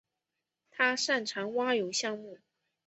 他擅长蛙泳项目。